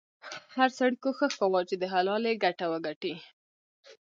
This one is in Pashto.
هر سړي کوښښ کاوه چې د حلالې ګټه وګټي.